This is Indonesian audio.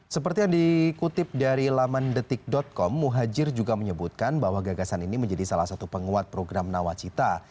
seperti yang dikutip dari lamandetik com muhajir juga menyebutkan bahwa gagasan ini menjadi salah satu penguat program nawacita